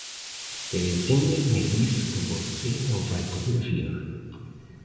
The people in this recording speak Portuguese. Terezinha me disse que você não vai poder vir.